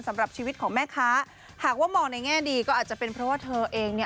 สำหรับชีวิตของแม่ค้าหากว่ามองในแง่ดีก็อาจจะเป็นเพราะว่าเธอเองเนี่ย